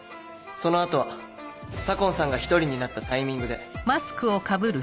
その後は左紺さんが１人になったタイミングで。